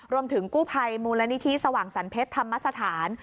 รวมถึงกู้ภัยมูลนิธิสว่างสรรเพชรธรรมสถาน